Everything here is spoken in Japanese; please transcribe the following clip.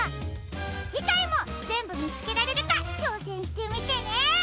じかいもぜんぶみつけられるかちょうせんしてみてね！